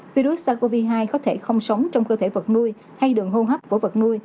virus sars cov hai có thể không sống trong cơ thể vật nuôi hay đường hô hấp của vật nuôi